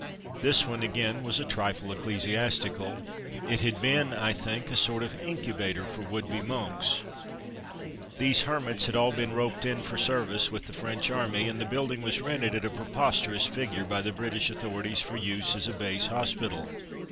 This one, again, was a trifle ecclesiastical — it had been, I think, a sort of incubator for would be monks. 134 From Mud to Mufti These hermits had all been roped in for service with the French Army, and the building was rented at a preposterous figure by the British authorities for use as a base hospital.